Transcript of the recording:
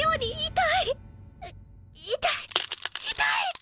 痛い！痛い！